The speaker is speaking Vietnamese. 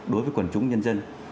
đối với quần chúng nhân dân